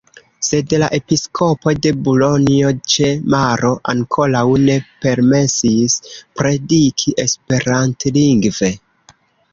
Sed la episkopo de Bulonjo ĉe Maro ankoraŭ ne permesis prediki esperantlingve.